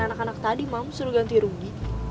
anak anak tadi mau suruh ganti rugi